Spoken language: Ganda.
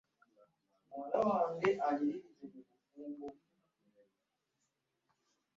Kikumi ataano mu ttaano ku bo baabasanga n'ebintu by'amagye